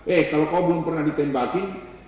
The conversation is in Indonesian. eh kalau kau belum pernah ditembaki